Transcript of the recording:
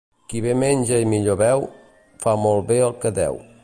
Qui bé menja i millor beu, fa molt bé el que deu.